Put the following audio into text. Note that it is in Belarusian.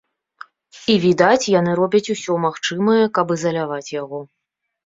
І відаць, яны робяць усё магчымае, каб ізаляваць яго.